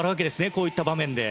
こういった場面で。